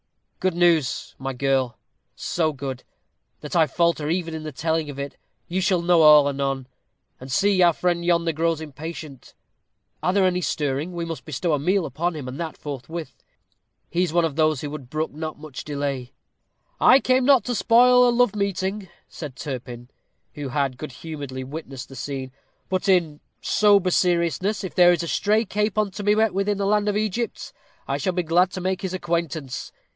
"Good news, my girl; so good, that I falter even in the telling of it. You shall know all anon. And see, our friend yonder grows impatient. Are there any stirring? We must bestow a meal upon him, and that forthwith: he is one of those who brook not much delay." "I came not to spoil a love meeting," said Turpin, who had good humoredly witnessed the scene; "but, in sober seriousness, if there is a stray capon to be met with in the land of Egypt, I shall be glad to make his acquaintance.